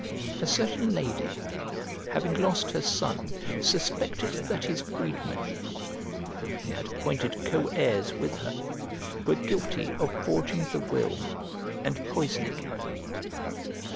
A certain lady having lost her son suspected that his freedmen, whom he had appointed coheirs with her, were guilty of forging the will and poisoning him.